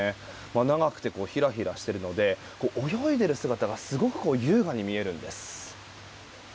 長くてひらひらとしているので泳いでいる姿がすごく優雅に見えるんです。